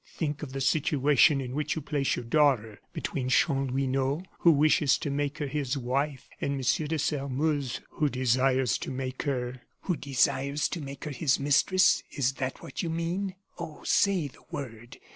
"Think of the situation in which you place your daughter, between Chanlouineau, who wishes to make her his wife, and Monsieur de Sairmeuse, who desires to make her " "Who desires to make her his mistress is that what you mean? Oh, say the word.